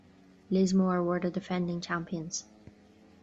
Lismore were the defending champions.